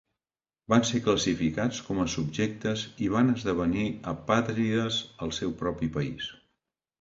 Van ser classificats com a "subjectes" i van esdevenir apàtrides al seu propi país.